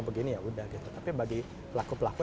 begini ya udah gitu tapi bagi pelaku pelaku